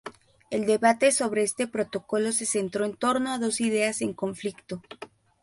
El debate sobre este protocolo se centró en torno a dos ideas en conflicto.